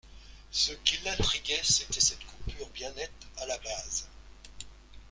Ce qui m’intriguait, c’était cette coupure bien nette à la base.